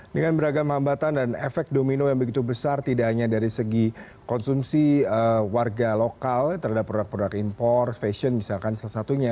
dengan beragam hambatan dan efek domino yang begitu besar tidak hanya dari segi konsumsi warga lokal terhadap produk produk impor fashion misalkan salah satunya